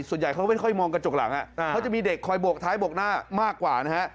ส่วนใหญ่เขาก็ไม่ค่อยมองกระจกหลังเขาจะมีเด็กคอยโบกท้ายบกหน้ามากกว่านะฮะ